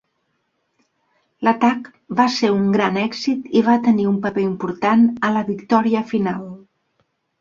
L"atac va ser un gran èxit i va tenir un paper important a la victòria final.